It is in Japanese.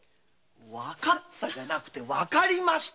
「わかった」じゃなく「わかりました」。